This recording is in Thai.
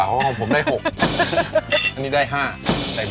อันนนี้ได้๕เต็ม๕